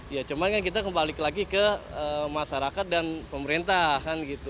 ya cuman kan kita kembali lagi ke masyarakat dan pemerintah kan gitu